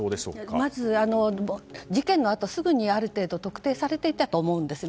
まず、事件のあとすぐにある程度特定されていたと思うんですね。